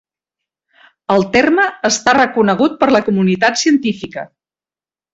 El terme està reconegut per la comunitat científica.